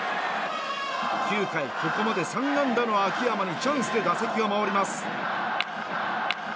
９回、ここまで３安打の秋山にチャンスで打席が回ります。